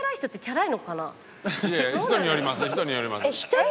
いやいや人によります人によります。